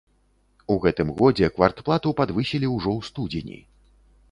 У гэтым годзе квартплату падвысілі ўжо ў студзені.